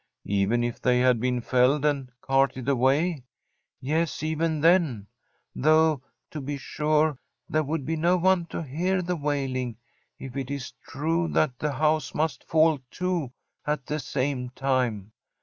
'Even if they had been felled and carted away?' 'Yes, even then; though, to be sure, there would be no one to hear the wailing if it's true that the house must fall, too, at the same time.